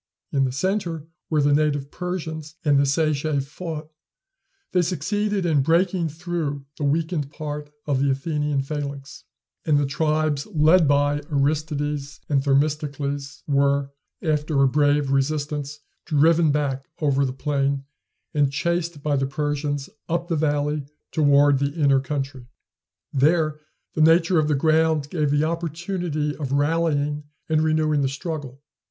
In the centre, where the native Persians and the Sacæ fought, they succeeded in breaking through the weakened part of the Athenian phalanx; and the tribes led by Aristides and Themistocles were, after a brave resistance, driven back over the plain, and chased by the Persians up the valley toward the inner country. There the nature of the ground gave the opportunity of rallying and renewing the struggle.